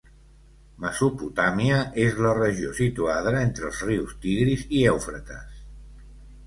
Mesopotàmia és la regió situada entre els rius Tigris i Eufrates.